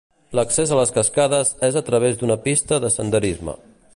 L'accés a les cascades és a través d'una pista de senderisme.